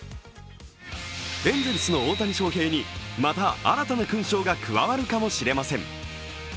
エンゼルスの大谷翔平にまた、新たな勲章が加わるかもしれません。